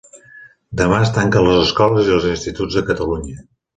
Demà es tanquen les escoles i els instituts de Catalunya